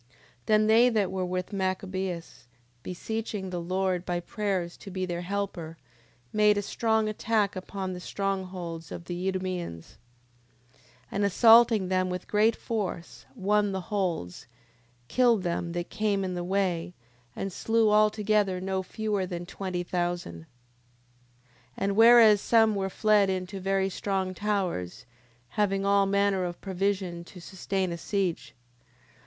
10:16. Then they that were with Machabeus, beseeching the Lord by prayers to be their helper, made a strong attack upon the strong holds of the Idumeans: 10:17. And assaulting them with great force, won the holds, killed them that came in the way, and slew altogether no fewer than twenty thousand. 10:18. And whereas some were fled into very strong towers, having all manner of provision to sustain a siege, 10:19.